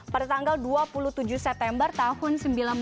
pada tanggal dua puluh tujuh september tahun seribu sembilan ratus enam puluh